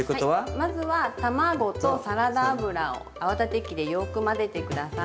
まずは卵とサラダ油を泡立て器でよく混ぜて下さい。